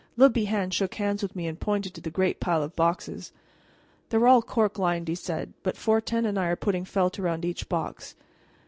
Le Bihan shook hands with me and pointed to the great pile of boxes. "They're all cork lined," he said, "but Fortin and I are putting felt around each box.